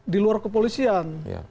di luar kepolisian